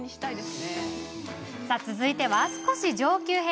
続いては、少し上級編。